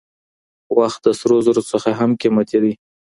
وخت د سرو زرو ځخه هم قيمتي دی